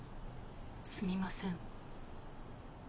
すみません。